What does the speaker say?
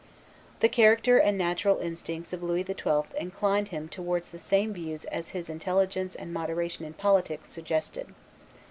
The character and natural instincts of Louis XII. inclined him towards the same views as his intelligence and moderation in politics suggested.